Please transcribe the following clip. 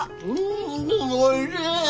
んおいしい！